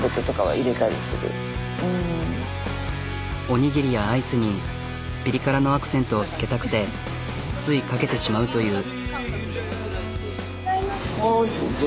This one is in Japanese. おにぎりやアイスにピリ辛のアクセントを付けたくてついかけてしまうという。